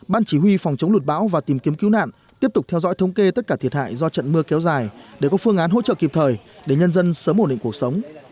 ban chỉ huy phòng chống lụt bão và tìm kiếm cứu nạn tiếp tục theo dõi thống kê tất cả thiệt hại do trận mưa kéo dài để có phương án hỗ trợ kịp thời để nhân dân sớm ổn định cuộc sống